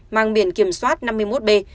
mang biển kiểm soát năm mươi một b